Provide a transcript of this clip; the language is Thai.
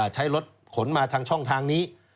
ใช้รถขนมาทางช่องทางนี้